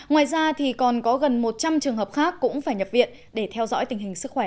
ngoài ra thì còn có gần một trăm linh trường hợp khác cũng phải nhập viện